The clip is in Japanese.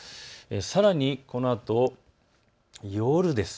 さらにこのあと、夜です。